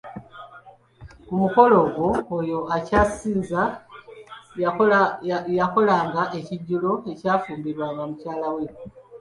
Ku mukolo ogwo, oyo akyazizza yakolanga ekijjulo, ekyafumbibwanga mukyala we